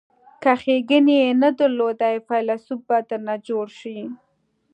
که ښیګڼې یې نه درلودلې فیلسوف به درنه جوړ شي.